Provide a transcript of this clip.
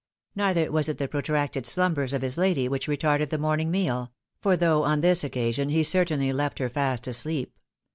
Neither was it the protracted slumbers of his kdy which retarded the morning meal ; for though on this occasion he certainly left her fast asleep.